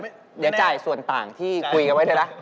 เจาะใจส่วนต่างที่คุยกันไว้เท่าไร